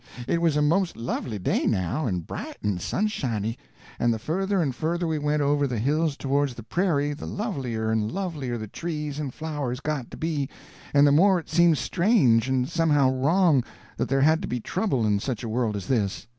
It was a most lovely day now, and bright and sunshiny; and the further and further we went over the hills towards the prairie the lovelier and lovelier the trees and flowers got to be and the more it seemed strange and somehow wrong that there had to be trouble in such a world as this.